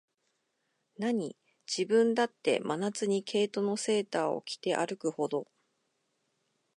なに、自分だって、真夏に毛糸のセーターを着て歩くほど、